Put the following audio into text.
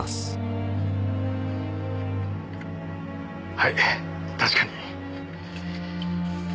はい確かに。